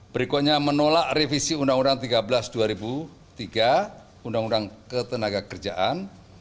berikutnya menolak revisi undang undang tiga belas dua ribu tiga undang undang ketenaga kerjaan